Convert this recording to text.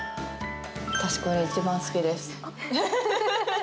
私、これ一番好きです。